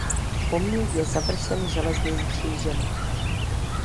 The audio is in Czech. Pomník je završen Železným křížem.